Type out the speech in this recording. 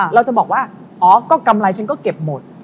เราจะบอกว่าอ๋อก็กำไรฉันก็เก็บหมด